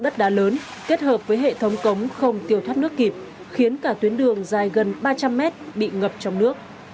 tổng cống không tiêu thoát nước kịp khiến cả tuyến đường dài gần ba trăm linh mét bị ngập trong nước